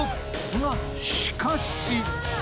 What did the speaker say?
がしかし